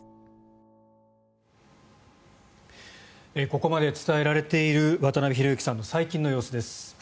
ここまで伝えられている渡辺裕之さんの最近の様子です。